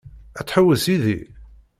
Ad tḥewwes yid-i?